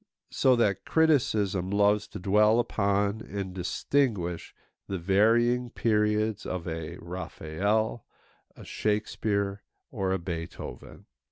So that criticism loves to dwell upon and distinguish the varying periods of a Raphael, a Shakespeare, or a Beethoven.